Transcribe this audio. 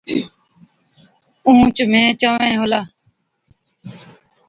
اُونهچ مين چووَين هُلا۔